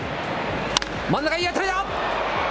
真ん中にいい当たりだ。